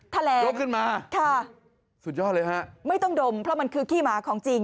แถลงดมขึ้นมาค่ะสุดยอดเลยฮะไม่ต้องดมเพราะมันคือขี้หมาของจริง